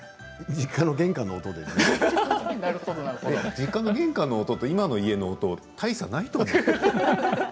実家の玄関の音と今の音と大差ないと思う。